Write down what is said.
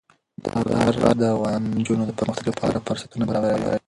دا غر د افغان نجونو د پرمختګ لپاره فرصتونه برابروي.